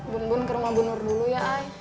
bun bun ke rumah bunur dulu ya ay